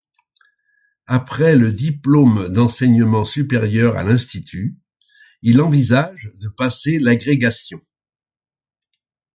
Après le Diplôme d'enseignement supérieur à l’Institut, il envisage de passer l’agrégation.